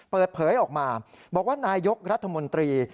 เปิดเผยออกมาบอกว่านายกรัฐมนตรี